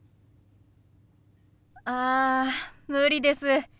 あ無理です。